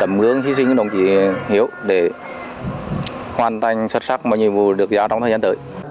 tầm gương hy sinh của đồng chí hiếu để hoàn thành xuất sắc mọi nhiệm vụ được giao trong thời gian tới